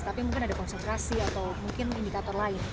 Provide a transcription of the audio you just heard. tapi mungkin ada konsentrasi atau mungkin indikator lain